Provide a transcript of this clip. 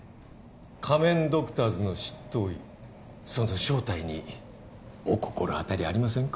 仮面ドクターズの執刀医その正体にお心当たりありませんか？